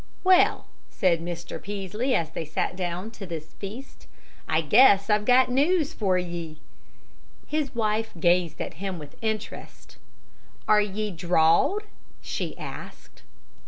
"Well," said Mr. Peaslee, as they sat down to this feast, "I guess I've got news for ye." His wife gazed at him with interest. "Are ye drawed?" she asked.